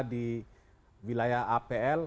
di wilayah apl